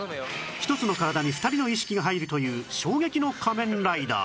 １つの体に２人の意識が入るという衝撃の仮面ライダー